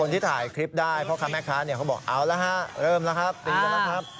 คนที่ถ่ายคลิปได้เพราะค้าแม่ค้าเนี่ยเขาบอกเอาล่ะฮะเริ่มแล้วครับ